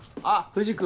藤君